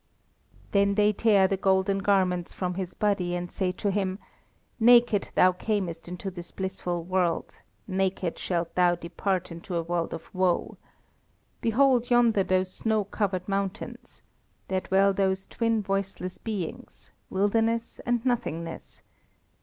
Then they tear the golden garments from his body, and say to him: "Naked thou camest into this blissful world, naked shalt thou depart into a world of woe. Behold yonder those snow covered mountains. There dwell those twin voiceless beings: Wilderness and Nothingness.